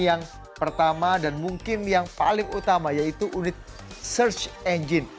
yang pertama dan mungkin yang paling utama yaitu unit search engine